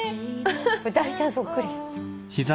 ダイちゃんそっくり。